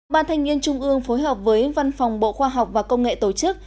ban thanh niên trung ương phối hợp với văn phòng bộ khoa học và công nghệ tổ chức